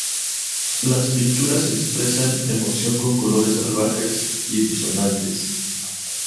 Las pinturas expresan emoción con colores salvajes y disonantes.